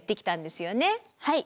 はい。